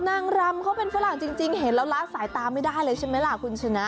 นางรำเขาเป็นฝรั่งจริงเห็นแล้วละสายตาไม่ได้เลยใช่ไหมล่ะคุณชนะ